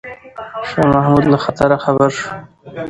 شاه محمود له خطره خبر شو.